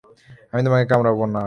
আমি তোমাকে কামড়াবো না।